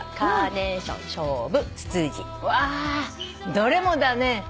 うわどれもだね。